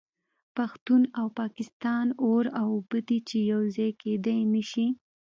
پښتون او پاکستان اور او اوبه دي چې یو ځای کیدای نشي